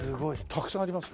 たくさんあります？